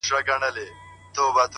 که غنمرنگ “ کښته سي پورته سي”